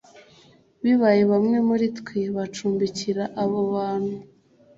bibaye bamwe muri twe bacumbikira abo bantu